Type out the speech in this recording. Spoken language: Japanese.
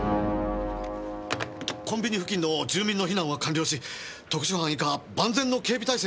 コンビニ付近の住民の避難は完了し特殊班以下万全の警備態勢を取りましたが。